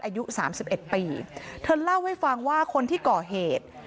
อายุสามสิบเอ็ดปีเธอเล่าให้ฟังว่าคนที่ก่อเหตุ